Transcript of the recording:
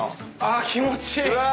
気持ちいい。